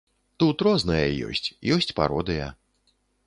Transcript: Тут рознае ёсць, ёсць пародыя.